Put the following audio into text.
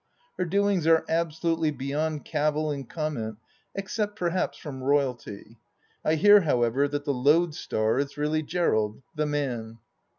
Her doings are absolutely beyond cavil and comment, except perhaps from Royalty. I hear however that the lodestar is really Gerald, the man.